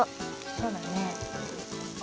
そうだね。